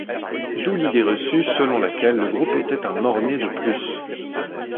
D'où l'idée reçue selon laquelle le groupe était un mort-né de plus.